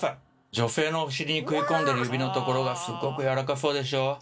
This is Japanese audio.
女性のお尻に食い込んでる指のところがすっごく柔らかそうでしょ？